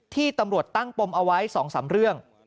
ที่ตำรวจตั้งปมเอาไว้๒๓เรื่อง